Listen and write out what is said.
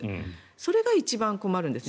それが一番困るんですよ。